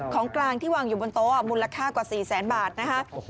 ของกลางที่วางอยู่บนโต๊ะมูลค่ากว่า๔แสนบาทนะคะ